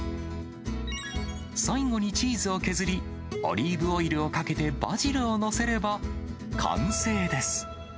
最後にチーズを削り、オリーブオイルをかけてバジルを載せれば、完成です。